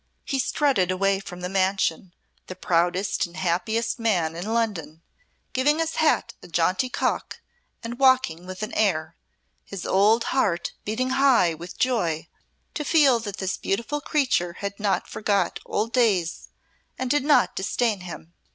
He strutted away from the mansion, the proudest and happiest man in London, giving his hat a jaunty cock and walking with an air, his old heart beating high with joy to feel that this beautiful creature had not forgot old days and did not disdain him.